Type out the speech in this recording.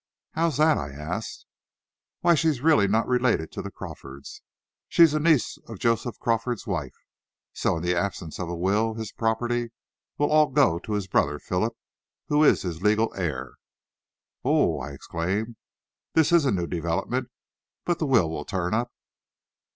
"How's that?" I said. "Why, she's really not related to the Crawfords. She's a niece of Joseph Crawford's wife. So in the absence of a will his property will all go to his brother Philip, who is his legal heir." "Oho!" I exclaimed. "This is a new development. But the will will turn up."